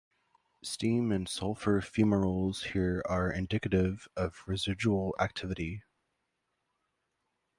Steam and sulphur fumaroles here are indicative of residual activity.